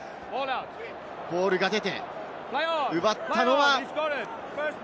ボールが出て、奪ったのは。